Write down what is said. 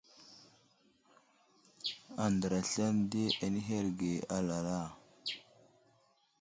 Andra aslane di anuherge alala.